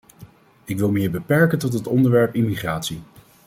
Ik wil me hier beperken tot het onderwerp immigratie.